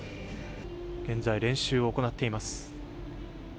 現在、練習を行っています。